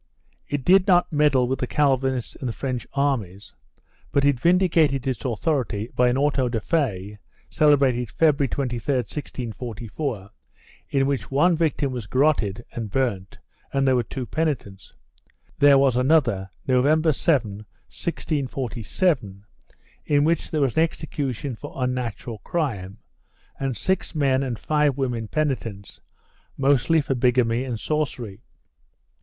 It did not meddle with the Calvinists in the French armies, but it vindicated its authority by an auto de fe, celebrated February 23, 1644, in which one victim was gar roted and burnt and there were two penitents. There was another, November 7, 1647, in which there was an execution for unnatural crime and six men and five women penitents, mostly for bigamy and sorcery.